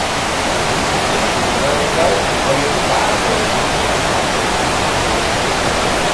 He learned art from his father.